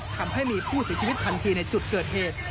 ทำให้มีผู้เสียชีวิตทันทีในจุดเกิดเหตุ